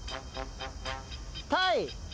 タイ。